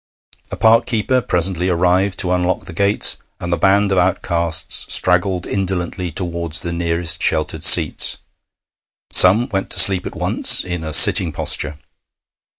A park keeper presently arrived to unlock the gates, and the band of outcasts straggled indolently towards the nearest sheltered seats. Some went to sleep at once, in a sitting posture.